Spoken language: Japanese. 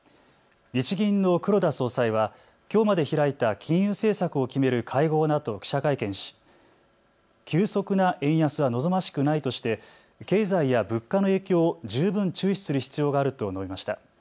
日銀の黒田総裁はきょうまで開いた金融政策を決める会合のあと、記者会見し急速な円安は望ましくないとして経済や物価の影響を十分注視する必要があると述べました。